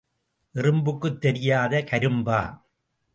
எறும்புக்குத் தெரியாத கரும்பா?